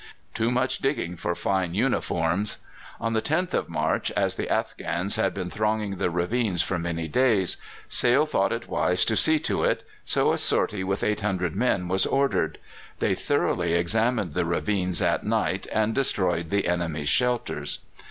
Too much digging for fine uniforms! On the 10th of March, as the Afghans had been thronging the ravines for many days, Sale thought it wise to see to it, so a sortie with 800 men was ordered. They thoroughly examined the ravines at night and destroyed the enemy's shelters.